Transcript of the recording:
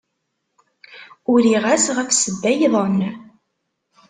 Uriɣ-as ɣef ssebba-iḍen.